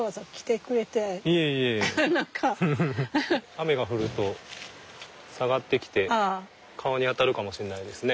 雨が降ると下がってきて顔に当たるかもしれないですね。